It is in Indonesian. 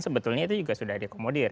sebetulnya itu juga sudah diakomodir